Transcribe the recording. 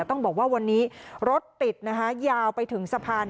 ต้องบอกว่าวันนี้รถติดนะคะยาวไปถึงสะพาน